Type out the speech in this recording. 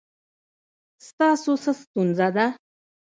ستاسو څه ستونزه ده؟